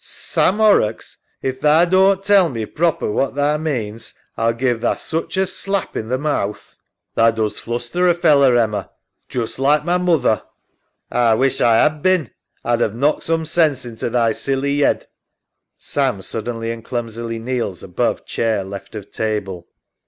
Sam Horrocks, if tha doan't tell me proper what tha means A'll give tha such a slap in th' mouth. SAM {hacking before her). Tha does fluster a feller, Emma. Just like ma moother. EMMA. A wish A 'ad bin. A'd 'ave knocked some sense into thy silly yead. «AM {suddenly and clumsily kneels above chair left of table).